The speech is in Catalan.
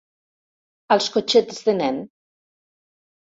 Als cotxets de nen.